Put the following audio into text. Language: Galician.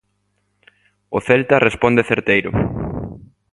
O Celta responde certeiro.